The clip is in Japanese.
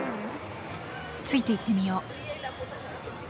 ついていってみよう。